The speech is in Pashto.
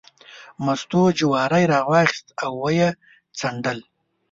مستو جواری راواخیست او یې څنډل.